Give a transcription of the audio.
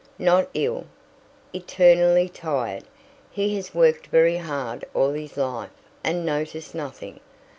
"Not ill. Eternally tired. He has worked very hard all his life, and noticed nothing.